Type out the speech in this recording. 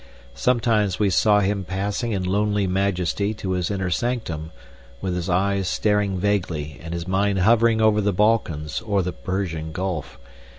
Sometimes we saw him passing in lonely majesty to his inner sanctum, with his eyes staring vaguely and his mind hovering over the Balkans or the Persian Gulf.